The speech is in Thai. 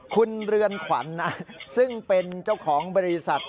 คุณเรือนขวัญซึ่งเป็นเจ้าของบริษัท